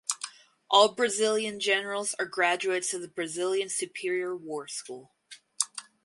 All Brazilian generals are graduates of the Brazilian Superior War School.